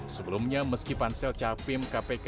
sebelumnya meski pansel capim kpk